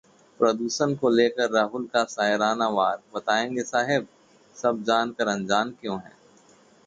प्रदूषण को लेकर राहुल का शायराना वार- बताएंगे साहेब, सब जानकर अंजान क्यों हैं?